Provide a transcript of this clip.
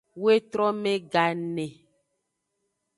Wetrome gane.